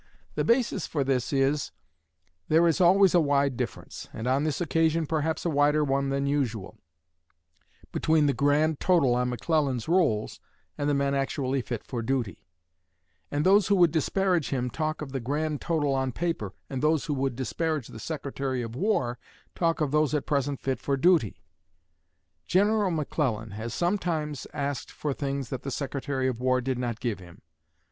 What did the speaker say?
The basis for this is, there is always a wide difference, and on this occasion perhaps a wider one than usual, between the grand total on McClellan's rolls and the men actually fit for duty; and those who would disparage him talk of the grand total on paper, and those who would disparage the Secretary of War talk of those at present fit for duty. General McClellan has sometimes asked for things that the Secretary of War did not give him.